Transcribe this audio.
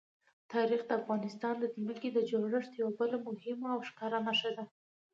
تاریخ د افغانستان د ځمکې د جوړښت یوه بله مهمه او ښکاره نښه ده.